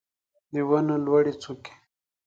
د ونو لوړې څوکې